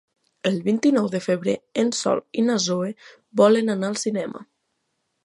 El vint-i-nou de febrer en Sol i na Zoè volen anar al cinema.